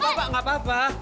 paham pak gak apa apa